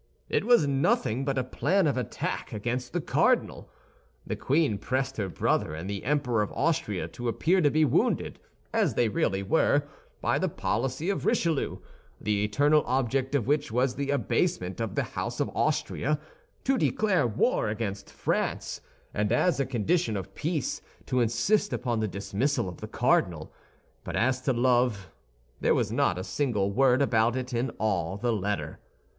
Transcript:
It was nothing but a plan of attack against the cardinal. The queen pressed her brother and the Emperor of Austria to appear to be wounded, as they really were, by the policy of Richelieu—the eternal object of which was the abasement of the house of Austria—to declare war against France, and as a condition of peace, to insist upon the dismissal of the cardinal; but as to love, there was not a single word about it in all the letter.